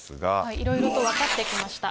いろいろと分かってきました。